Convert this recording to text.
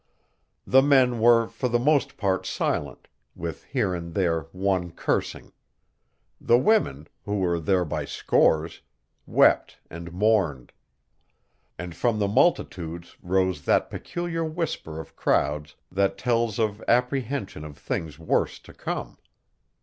The men were for the most part silent, with here and there one cursing; the women, who were there by scores, wept and mourned; and from the multitudes rose that peculiar whisper of crowds that tells of apprehension of things worse to come.